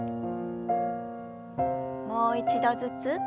もう一度ずつ。